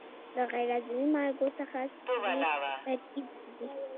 د غیر عضوي مالګو څخه سرې ترکیب کړي.